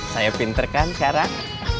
saya pinter kan sekarang